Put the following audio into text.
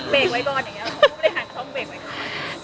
เพราะไม่ได้หางช่องเบรคไวท์เย็น